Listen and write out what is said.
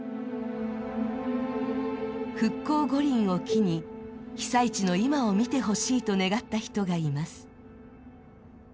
復興五輪と機に被災地の今を見てほしいと願った人がいます。